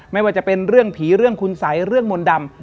ไม่ว่าจะเป็นเรื่องผีเรื่องคุณสัยเรื่องมนต์ดำ